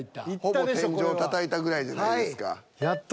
ほぼ天井たたいたぐらいじゃないですか。